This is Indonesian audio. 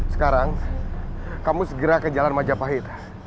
sekarang kamu segera ke jalan majapahit